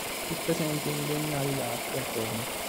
Fu presente in Biennali d'Arte, a Roma.